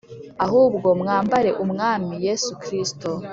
Ahubwo mwambare Umwami Yesu Kristo